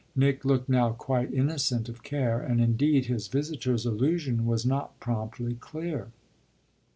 Nick looked now quite innocent of care, and indeed his visitor's allusion was not promptly clear.